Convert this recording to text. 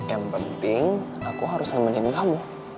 yang penting aku harus nemenin kamu